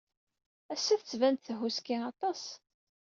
Ass-a, tettban-d tehhuski aṭas.